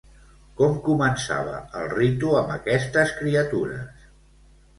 Com començava el ritu amb aquestes criatures?